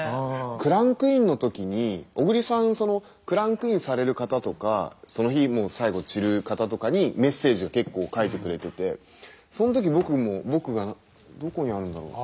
クランクインの時に小栗さんそのクランクインされる方とかその日最後散る方とかにメッセージを結構書いてくれててその時僕も僕がどこにあるんだろう。